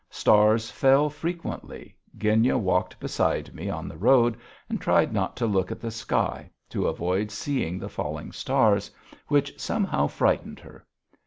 Stars fell frequently, Genya walked beside me on the road and tried not to look at the sky, to avoid seeing the falling stars, which somehow frightened her.